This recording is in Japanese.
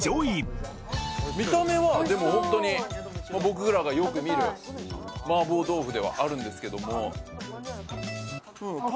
見た目はでもホントに僕らがよく見る麻婆豆腐ではあるんですけども。